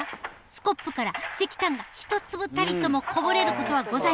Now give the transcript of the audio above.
スコップから石炭が一粒たりともこぼれることはございません。